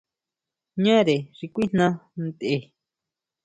Ñare xi kuijná tʼen.